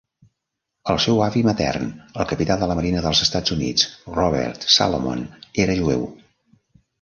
El seu avi matern, el capità de la Marina dels Estats Units Robert Salomon, era jueu.